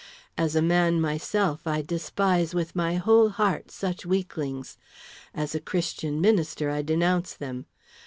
As a man myself, I despise with my whole heart such weaklings; as a Christian minister I denounce them.